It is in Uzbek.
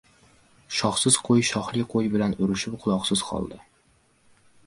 • Shoxsiz qo‘y shoxli qo‘y bilan urushib, quloqsiz qoldi.